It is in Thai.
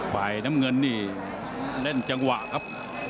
ฝ่ายน้ำเงินนี่เล่นจังหวะครับ